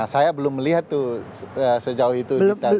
saya belum melihat sejauh itu detailnya